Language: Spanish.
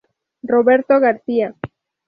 Roberto García.